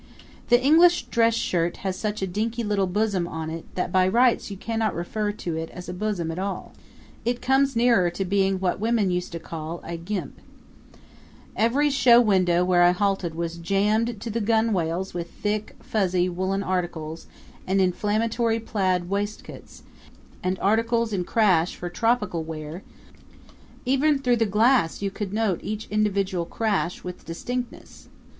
The English dress shirt has such a dinky little bosom on it that by rights you cannot refer to it as a bosom at all; it comes nearer to being what women used to call a guimpe. Every show window where I halted was jammed to the gunwales with thick, fuzzy, woolen articles and inflammatory plaid waistcoats, and articles in crash for tropical wear even through the glass you could note each individual crash with distinctness.